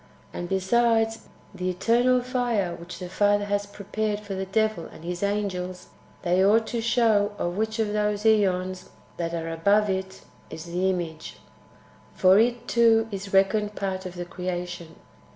And besides ;" the eternal fire which the Father has prepared for the devil and his angels," ^— they ought to show of which of those ^ons that are above it is the image ; for it, too, is reckoned part of the creation.